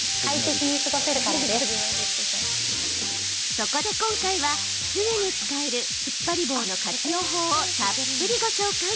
そこで今回は、すぐに使えるつっぱり棒の活用法をたっぷりご紹介。